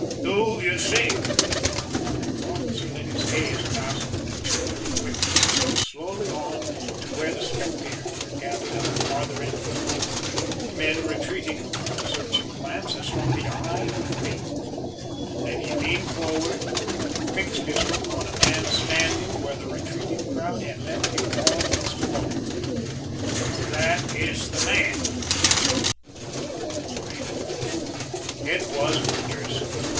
Do you see him?" The officer let his gaze pass over the jury and witnesses and slowly on to where the spectators were gathered at the farther end of the room, men retreating before the searching glance as from the eye of fate, and then he leaned forward and fixed his look on a man standing where the retreating crowd had left him almost alone: "That is the man," he said. I looked; it was Winters!